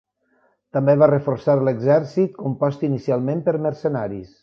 També va reforçar l'exèrcit, compost inicialment per mercenaris.